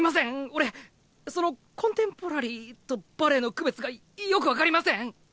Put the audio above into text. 俺そのコンテンポラリーとバレエの区別がよく分かりません。